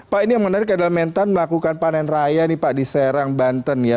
pak ini yang menarik adalah mentan melakukan panen raya nih pak di serang banten ya